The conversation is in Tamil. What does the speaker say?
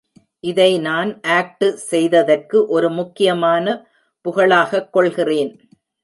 இதை நான் ஆக்டு செய்ததற்கு, ஒரு முக்கியமான புகழாகக் கொள்கிறேன்.